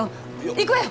行くわよ！